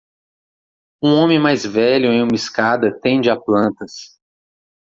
Um homem mais velho em uma escada tende a plantas